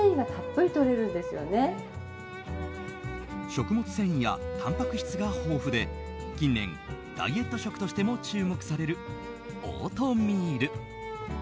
食物繊維やたんぱく質が豊富で近年、ダイエット食としても注目されるオートミール。